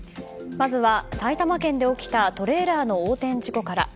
まずは埼玉県で起きたトレーラーの横転事故から。